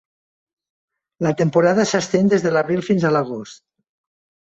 La temporada s'estén des de l'abril fins a l'agost.